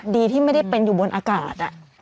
ดีที่ไม่ได้เป็นอยู่บนอากาศ